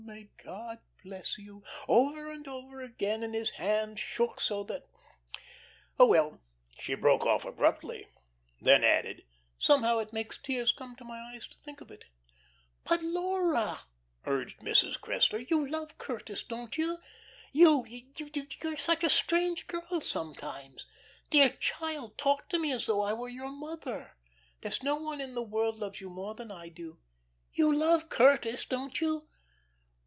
May God bless you!' over and over again, and his hand shook so that Oh, well," she broke off abruptly. Then added, "Somehow it makes tears come to my eyes to think of it." "But, Laura," urged Mrs. Cressler, "you love Curtis, don't you? You you're such a strange girl sometimes. Dear child, talk to me as though I were your mother. There's no one in the world loves you more than I do. You love Curtis, don't you?"